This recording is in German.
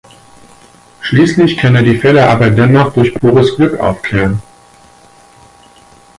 Schließlich kann er die Fälle aber dennoch durch pures Glück aufklären.